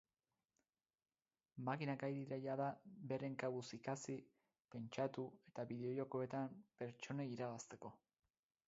Makinak gai dira jada beren kabuz ikasi, pentsatu eta bideo-jokoetan pertsonei irabazteko.